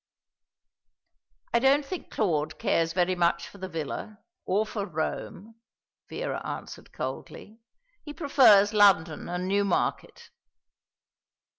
"I don't think Claude cares very much for the villa, or for Rome," Vera answered coldly. "He prefers London and Newmarket."